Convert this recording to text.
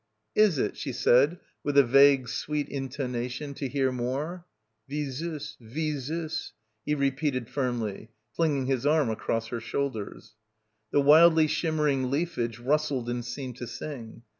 "Is it?" she said with a vague, sweet intona tion, to hear more. "Wie suss, wie suss," he repeated firmly, flinging his arm across her shoulders. The wildly shimmering leafage rustled and seemed to sing.